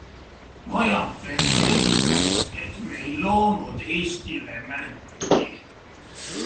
Vajab veel selgitamist, et me ei loonud Eestile märki.